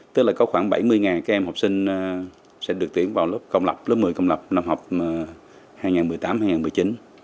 tức là có khoảng bảy mươi các em học sinh sẽ được tuyển vào lớp công lập lớp một mươi công lập năm học hai nghìn một mươi tám hai nghìn một mươi chín